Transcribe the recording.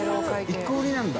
１個売りなんだ。